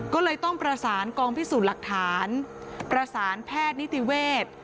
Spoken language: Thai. ก็เลยต้องประสานกองพิสูจน์หลักฐานประสานแพทย์นิติเวศ